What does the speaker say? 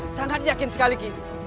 sangat yakin sekali ki